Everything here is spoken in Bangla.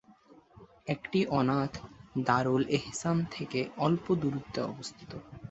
একটি অনাথ দারুল ইহসান থেকে অল্প দূরত্বে অবস্থিত।